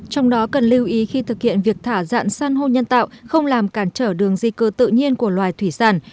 trong đó cần lưu ý khi thực hiện việc thả dạng săn hô nhân tạo không làm cản trở đường di cơ tự nhiên của loài thủy sản